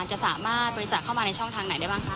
จะสามารถบริจาคเข้ามาในช่องทางไหนได้บ้างคะ